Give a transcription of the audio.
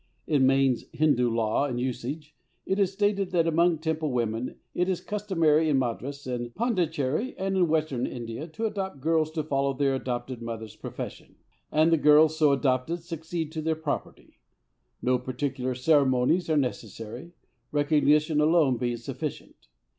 In Mayne's Hindu Law and Usage it is stated that among Temple women it is customary in Madras and Pondicherry and in Western India to adopt girls to follow their adopted mother's profession: and the girls so adopted succeed to their property; no particular ceremonies are necessary, recognition alone being sufficient.